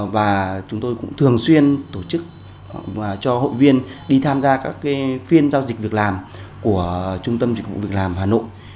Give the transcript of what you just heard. và chúng tôi cũng thường xuyên tổ chức cho hội viên đi tham gia các phiên giao dịch việc làm của trung tâm dịch vụ việc làm hà nội